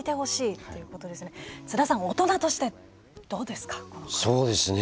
津田さん、大人としてどうですか？